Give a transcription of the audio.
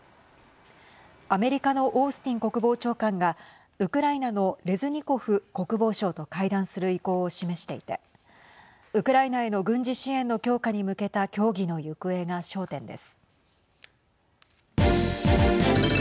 アメリカのオースティン国防長官がウクライナのレズニコフ国防相と会談する意向を示していてウクライナへの軍事支援の強化に向けた協議の行方が焦点です。